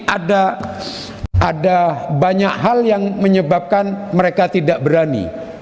ada banyak hal yang menyebabkan mereka tidak berani